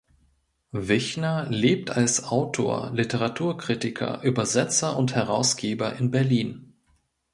Wichner lebt als Autor, Literaturkritiker, Übersetzer und Herausgeber in Berlin.